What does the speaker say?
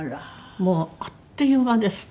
もうあっという間ですって。